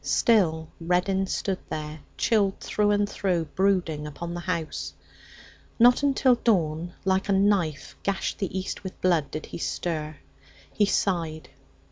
Still Reddin stood there, chilled through and through, brooding upon the house. Not until dawn, like a knife, gashed the east with blood did he stir. He sighed.